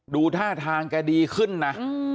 ดูท่าทางแกดีขึ้นนะ